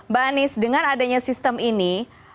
mbak anies dengan adanya sistem ini